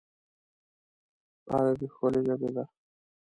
عربي ښکلی ژبه ده